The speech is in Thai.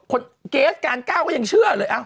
เกศกานก้าวก็ยังเชื่อเลยอะ